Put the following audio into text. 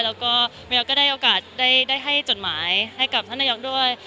แล้วก็มีโอกาสได้ให้จดหมายให้กับท่านนัยยักษ์ด้วย